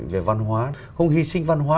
về văn hóa không hy sinh văn hóa